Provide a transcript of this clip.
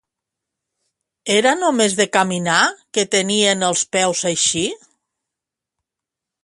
Era només de caminar que tenien els peus així?